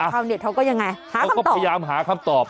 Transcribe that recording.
เน็ตเขาก็ยังไงเขาก็พยายามหาคำตอบ